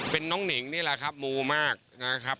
เป็นน้องหนิงนี่แหละครับมูมากนะครับ